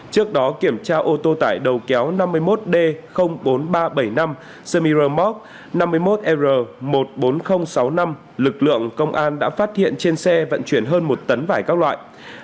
trước đó kiểm tra ô tô tải đầu kéo năm mươi một d bốn nghìn ba trăm bảy mươi năm semi remok năm mươi một r một mươi bốn nghìn sáu mươi năm lực lượng công an đã phát hiện trên xe vận chuyển hơn một tấn vải các loại